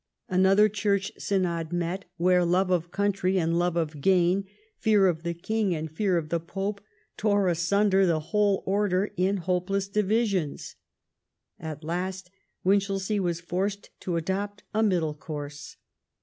Another Church synod met, where love of country and love of gain, fear of the king and fear of the pope, tore asunder the whole order in hopeless diA'isions. At last Winchelsea was forced to adopt a middle course.